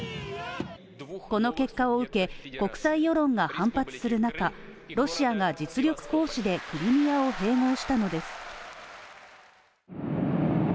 この結果を受けて国際世論が反発する中、ロシアが実力行使でクリミアを併合したのです。